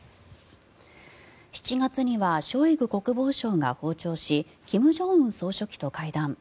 ７月にはショイグ国防相が訪朝し金正恩総書記と会談。